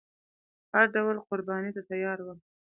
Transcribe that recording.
هر ډول قربانۍ ته تیار ول.